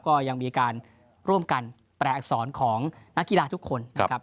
ก็ยังมีการร่วมกันแปลอักษรของนักกีฬาทุกคนนะครับ